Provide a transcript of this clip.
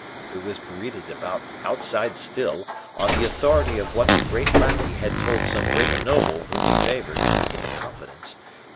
It was bruited about outside still, on the authority of what the great lackey had told some great noble whom he favored, in confidence, that M.